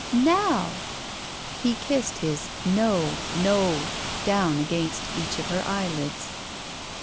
"Now!" He kissed his "No, No," down against each of her eyelids.